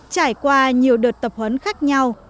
trải qua nhiều đợt tập huấn khác nhau